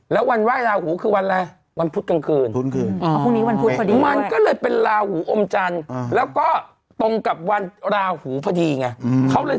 แล้ววันว่ายลาหูคือวันแหละวันพุทธกลางคืน